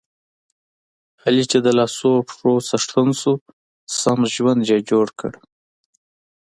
علي چې د لاسو پښو څښتن شو، سم ژوند یې جوړ کړ.